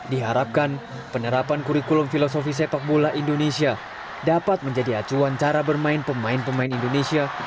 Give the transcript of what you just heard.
diharapkan penerapan kurikulum filosofi sepak bola indonesia dapat menjadi acuan cara bermain pemain pemain indonesia